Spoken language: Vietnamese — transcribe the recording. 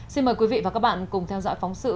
xin mời quý vị và các bạn cùng theo dõi phóng sự